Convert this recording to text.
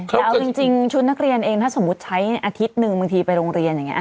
แต่เอาจริงชุดนักเรียนเองถ้าสมมุติใช้อาทิตย์หนึ่งบางทีไปโรงเรียนอย่างนี้